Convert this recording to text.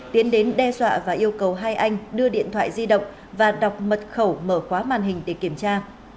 tiến đến đe dọa và yêu cầu hai anh đưa điện thoại di động và đọc mật khẩu mở khóa màn hình để kiểm tra